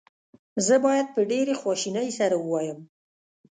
زه باید په ډېرې خواشینۍ سره ووایم.